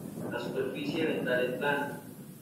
La superficie ventral es plana.